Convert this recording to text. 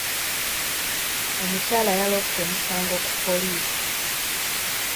Omukyala yaloopye omusango ku poliisi.